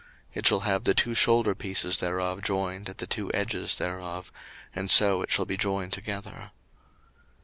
02:028:007 It shall have the two shoulderpieces thereof joined at the two edges thereof; and so it shall be joined together.